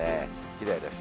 きれいです。